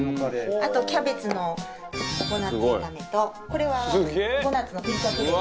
あとキャベツのココナッツ炒めとこれはココナッツのふりかけです。